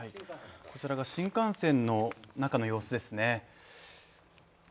こちらが新幹線の中の様子ですね。